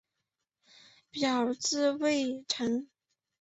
表字稷臣。